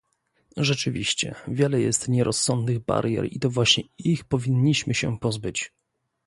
Rzeczywiście wiele jest nierozsądnych barier i to właśnie ich powinniśmy się pozbyć